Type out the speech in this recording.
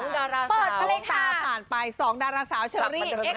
๒ดาราสาวตาผ่านไป๒ดาราสาวเชอรี่เอ็กซ์เจ็กเกอรีน